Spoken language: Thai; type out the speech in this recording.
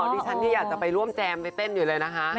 ดิฉันที่อยากจะไปร่วมแจมไปเต้นอยู่เลยนะคะ